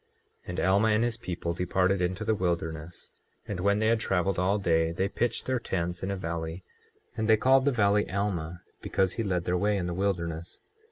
24:20 And Alma and his people departed into the wilderness; and when they had traveled all day they pitched their tents in a valley, and they called the valley Alma, because he led their way in the wilderness.